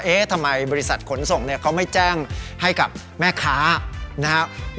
ทำไมบริษัทขนส่งเนี่ยเขาไม่แจ้งให้กับแม่ค้านะครับ